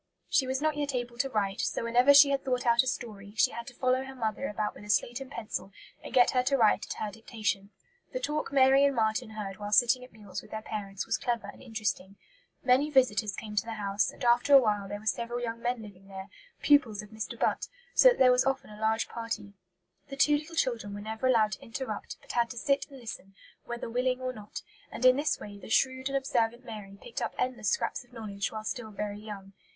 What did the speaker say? She was not yet able to write, so whenever she had thought out a story, she had to follow her mother about with a slate and pencil and get her to write at her dictation. The talk Mary and Marten heard while sitting at meals with their parents was clever and interesting. Many visitors came to the house, and after a while there were several young men living there, pupils of Mr. Butt, so that there was often a large party. The two little children were never allowed to interrupt, but had to sit and listen, "whether willing or not"; and in this way the shrewd and observant Mary picked up endless scraps of knowledge while still very young.